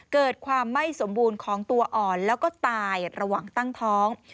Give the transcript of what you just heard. เกิดความไม่สมบูรณ์ของตัวอ่อนแล้วก็ตายระหว่างตั้งท้อง